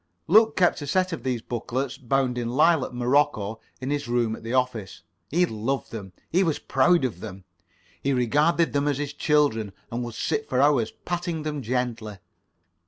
Luke kept a set of these booklets, bound in lilac morocco, in his room at the office. He loved them. He was proud of them. He regarded them as his children, and would sit for hours patting them gently.